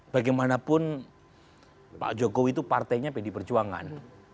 bagaimanapun pak jokowi itu partainya pd perjuangan